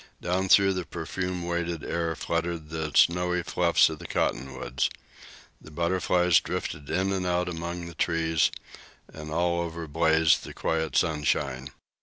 Down through the perfume weighted air fluttered the snowy fluffs of the cottonwoods. The butterflies drifted in and out among the trees, and over all blazed the quiet sunshine.